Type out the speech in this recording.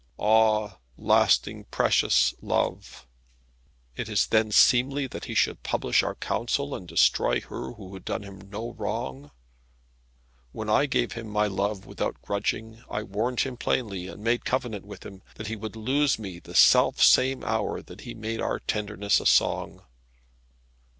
Ah, lasting, precious love! Is it then seemly that he should publish our counsel, and destroy her who had done him no wrong? When I gave him my love without grudging, I warned him plainly, and made covenant with him, that he would lose me the self same hour that he made our tenderness a song.